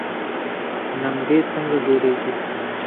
نمدې څنګه جوړیږي؟